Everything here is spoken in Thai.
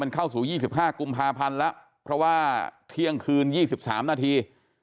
เข้าสู่๒๕กุมภาพันธ์แล้วเพราะว่าเที่ยงคืน๒๓นาที